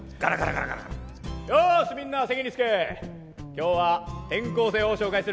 今日は転校生を紹介する。